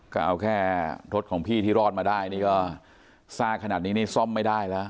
ก็เอาแค่รถของพี่ที่รอดมาได้นี่ก็ซากขนาดนี้นี่ซ่อมไม่ได้แล้ว